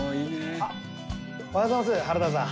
おはようございます原田さん。